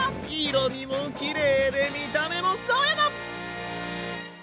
色みもきれいで見た目も爽やか！